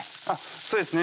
そうですね